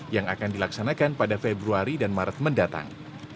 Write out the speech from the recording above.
yang akan dilaksanakan pada februari dan maret mendatang